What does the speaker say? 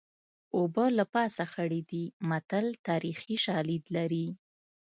اوبه له پاسه خړې دي متل تاریخي شالید لري